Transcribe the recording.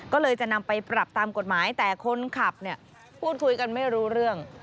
ก็เลยจะนำไปปรับตามกฎหมายแต่คนขับเนี่ยพูดคุยกันไม่รู้เรื่อง